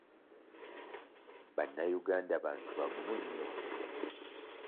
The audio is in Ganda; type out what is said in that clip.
Bannayuganda bantu bagumu nnyo